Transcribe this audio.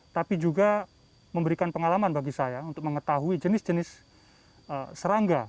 tapi juga memberikan pengalaman bagi saya untuk mengetahui jenis jenis serangga